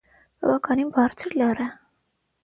Բավականին բարձր լեռ է։